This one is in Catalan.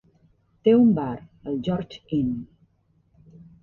Té un bar, el George Inn.